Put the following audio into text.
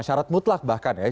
syarat mutlak bahkan ya